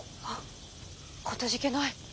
あっかたじけない。